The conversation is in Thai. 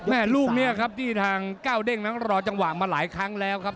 แม่ลูกนี้ครับที่ทางก้าวเด้งนั้นรอจังหวะมาหลายครั้งแล้วครับ